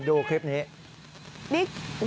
ดูคลิปนี้